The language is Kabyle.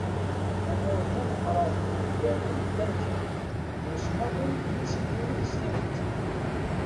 Amur n ameqqran n yimdanen llan kan , drus maḍi i yettidiren s tidet.